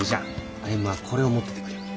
歩はこれを持っててくりょう。